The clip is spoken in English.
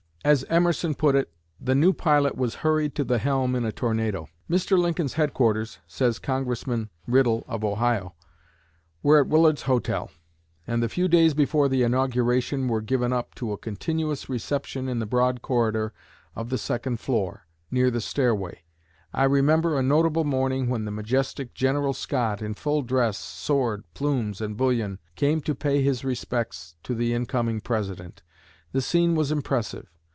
As Emerson put it, "The new pilot was hurried to the helm in a tornado." "Mr. Lincoln's headquarters," says Congressman Riddle of Ohio, "were at Willard's Hotel; and the few days before the inauguration were given up to a continuous reception in the broad corridor of the second floor, near the stairway. I remember a notable morning when the majestic General Scott, in full dress, sword, plumes, and bullion, came to pay his respects to the incoming President. The scene was impressive.